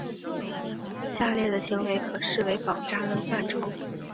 下列的行为可视为绑扎的范畴。